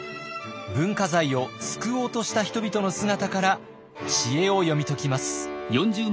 文化財を救おうとした人々の姿から知恵を読み解きます。